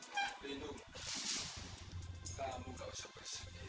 kamu gak usah bersedih